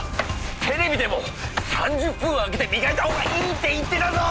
テレビでも３０分空けてみがいたほうがいいって言ってたぞ！